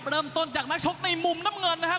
เริ่มต้นจากนักชกในมุมน้ำเงินนะครับ